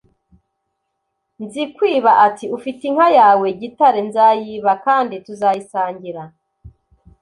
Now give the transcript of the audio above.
Nzikwiba ati Ufite inka yawe Gitare nzayiba kandi tuzayisangira